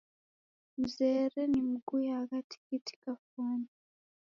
Mzere nimguyagha tikiti kafwani.